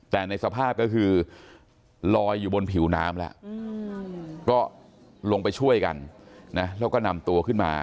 แต่ในสภาพลอยอยู่บนผิวน้ำลงไปช่วยกันแล้วก็นำตัวขึ้นมา